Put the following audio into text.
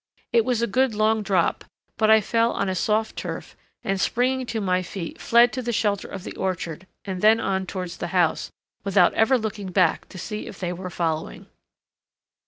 It was a good long drop, but I fell on a soft turf, and springing to my feet fled to the shelter of the orchard and then on towards the house, without ever looking back to see if they were following.